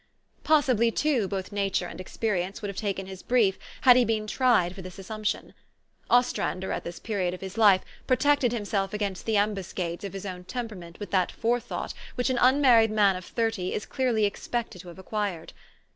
Possibly, too, both nature and experience would have taken his brief, had he been tried for this assumption. Ostrander, at this period of his life, protected himself against the ambuscades of his own temperament with that forethought which an unmarried man of thirty is clearly expected to have acquired.